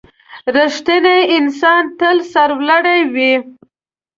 • رښتینی انسان تل سرلوړی وي.